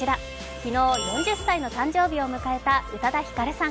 昨日、４０歳の誕生日を迎えた宇多田ヒカルさん。